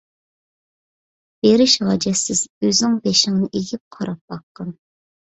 بېرىش ھاجەتسىز، ئۆزۈڭ بېشىڭنى ئېگىپ قاراپ باققىن!